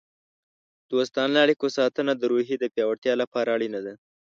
د دوستانه اړیکو ساتنه د روحیې د پیاوړتیا لپاره اړینه ده.